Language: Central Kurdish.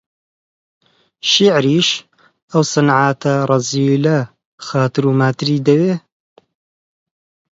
شیعریش، ئەو سنعاتە ڕەزیلە خاتر و ماتری دەوێ؟